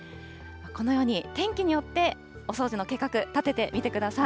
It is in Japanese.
このように天気によってお掃除の計画、立ててみてください。